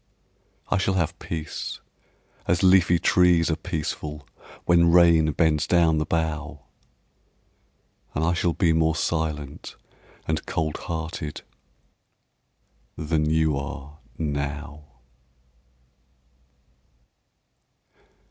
I shall have peace, as leafy trees are peaceful When rain bends down the bough, And I shall be more silent and cold hearted Than you are now.